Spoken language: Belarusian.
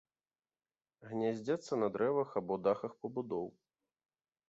Гняздзяцца на дрэвах або дахах пабудоў.